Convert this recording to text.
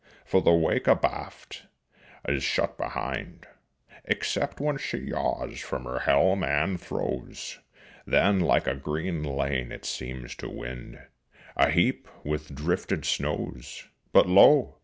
For the wake abaft is shut behind, Except when she yaws from her helm and throws; Then like a green lane it seems to wind Aheap with drifted snows. But lo!